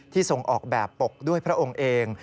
๒๑๑๙๒๕๖๑ที่ส่งออกแบบปกด้วยพระองค์เอง